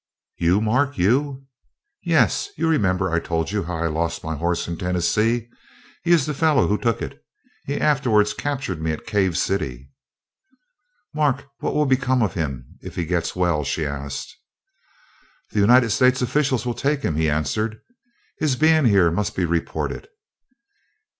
"You, Mark, you?" "Yes, you remember I told you how I lost my horse in Tennessee. He is the fellow who took it. He afterwards captured me at Cave City." "Mark, what will become of him if he gets well?" she asked. "The United States officials will take him," he answered. "His being here must be reported."